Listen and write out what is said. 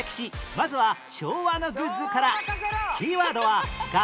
まずは昭和のグッズから